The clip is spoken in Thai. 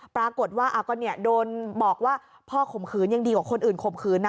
ปรากฏว่าอะก็เนี้ยโดนบอกว่าพ่อคมคืนยังดีกว่าคนอื่นคมคืนนะ